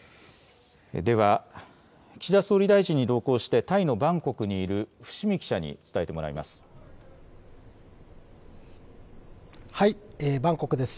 では、岸田総理大臣に同行してタイのバンコクにいる伏見記者に伝えてもらいます。